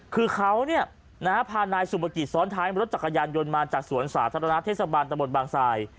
คือเขาพานายสุภกิจซ้อนท้ายรถจักรยานยนต์มาจากสวนสาธารณะเทศบาลตะบนบางทราย